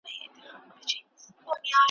او په څلوردېرش کلنی کي ,